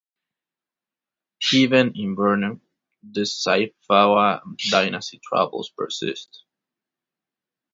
Even in Bornu, the Sayfawa Dynasty's troubles persisted.